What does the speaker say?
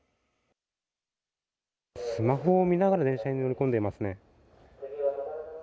スマホを見ながら電車に乗り込んでいますね。